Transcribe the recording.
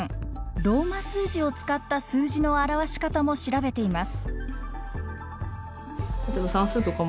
ローマ数字を使った数字の表し方も調べています。